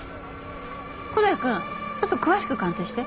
古代くんちょっと詳しく鑑定して。